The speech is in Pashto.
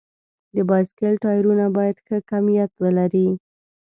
د بایسکل ټایرونه باید ښه کیفیت ولري.